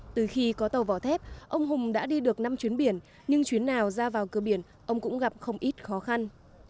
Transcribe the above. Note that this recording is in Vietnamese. từ khi có tàu vỏ thép ông hùng đã đi được năm chuyến biển nhưng chuyến nào ra vào cơ biển ông cũng gặp không ít khó khăn